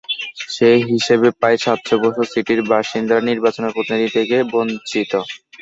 সেই হিসাবে প্রায় সাত বছর সিটির বাসিন্দারা নির্বাচিত প্রতিনিধি থেকে বঞ্চিত।